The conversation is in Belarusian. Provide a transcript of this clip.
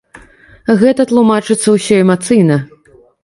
Гэта тлумачыцца ўсё эмацыйна.